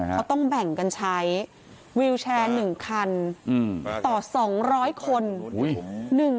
เขาต้องแบ่งกันใช้วิวแชร์๑คันต่อ๒๐๐คน